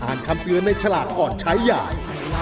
คำเตือนในฉลากก่อนใช้ใหญ่